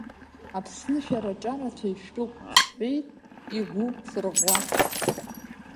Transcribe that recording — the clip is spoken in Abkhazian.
Аԥсны шәара, аҿарацәа ишәтәуп, – сҳәеит игәы сырӷәӷәарц.